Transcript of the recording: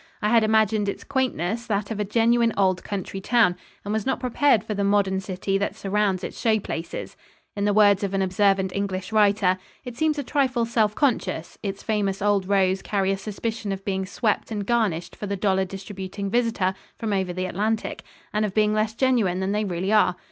I had imagined its quaintness that of a genuine old country town and was not prepared for the modern city that surrounds its show places. In the words of an observant English writer: "It seems a trifle self conscious its famous old rows carry a suspicion of being swept and garnished for the dollar distributing visitor from over the Atlantic, and of being less genuine than they really are.